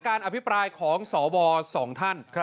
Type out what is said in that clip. การอภิปรายของสวสองท่าน